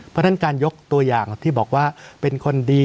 เพราะฉะนั้นการยกตัวอย่างที่บอกว่าเป็นคนดี